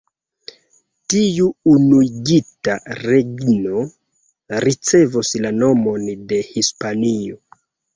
Tiu unuigita regno ricevos la nomon de Hispanio.